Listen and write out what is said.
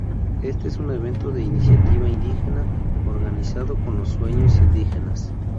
Este es un evento de Iniciativa Indígena organizado con los sueños indígenas.